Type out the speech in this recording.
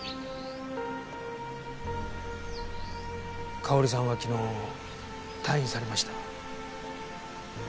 佳保里さんは昨日退院されました。